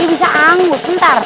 dia bisa anggus bentar